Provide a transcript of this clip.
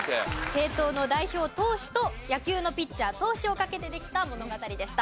政党の代表党首と野球のピッチャー投手をかけてできた物語でした。